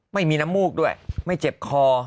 ไม่มีน้ำมูกด้วยไม่เจ็บคอ